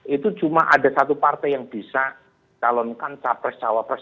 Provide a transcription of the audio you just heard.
itu cuma ada satu partai yang bisa calonkan capres cawapres